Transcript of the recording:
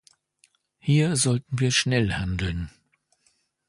Hier sollten wir schnell handeln.